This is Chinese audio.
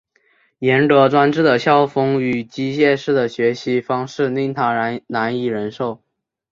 严格专制的校风与机械式的学习方式令他难以忍受。